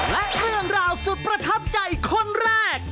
และเรื่องราวสุดประทับใจคนแรก